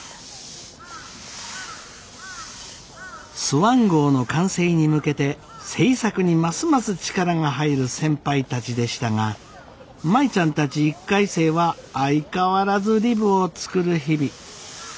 スワン号の完成に向けて製作にますます力が入る先輩たちでしたが舞ちゃんたち１回生は相変わらずリブを作る日々。